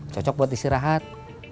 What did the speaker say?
cocok buat istirahat